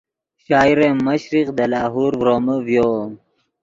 شاعر مشرق دے لاہور ڤرومے ڤیو